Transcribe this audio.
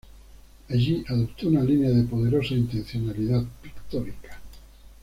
Allí adoptó una línea de poderosa intencionalidad pictórica.